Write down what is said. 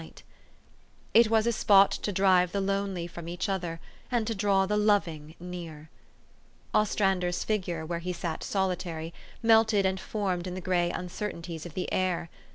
420 THE STORY OF AVIS. It was a spot to drive the lonely from each other, and to draw the loving near. Ostrander's figure, where he sat solitary, melted and formed in the gray uncertainties of the air.